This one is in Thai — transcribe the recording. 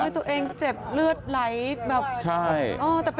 ตัวเองเจ็บเลือดไหลแบบใช่